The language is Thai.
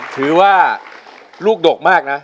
ถือว่าลูกดกมากนะ